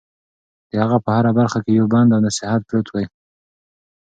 د هغه په هره خبره کې یو پند او نصیحت پروت دی.